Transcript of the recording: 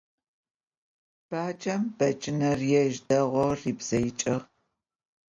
Bacem becıner yêj değou ribzeiç'ığ.